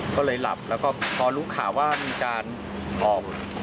ก็เลยหลับแล้วก็พอรู้ข่าวว่ามีการออก